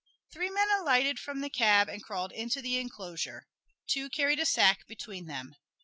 Three men alighted from the cab and crawled into the enclosure. Two carried a sack between them.